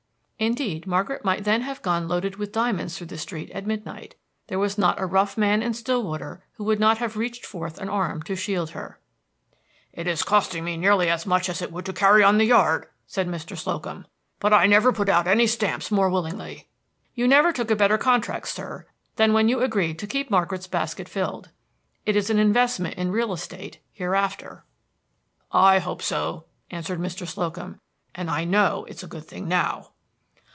Indeed, Margaret might then have gone loaded with diamonds through the streets at midnight. There was not a rough man in Stillwater who would not have reached forth an arm to shield her. "It is costing me nearly as much as it would to carry on the yard," said Mr. Slocum, "but I never put out any stamps more willingly." "You never took a better contract, sir, than when you agreed to keep Margaret's basket filled. It is an investment in real estate hereafter." "I hope so," answered Mr. Slocum, "and I know it's a good thing now."